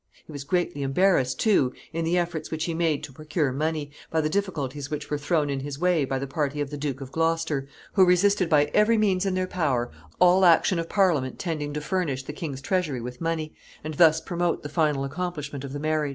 He was greatly embarrassed, too, in the efforts which he made to procure money, by the difficulties which were thrown in his way by the party of the Duke of Gloucester, who resisted by every means in their power all action of Parliament tending to furnish the king's treasury with money, and thus promote the final accomplishment of the marriage.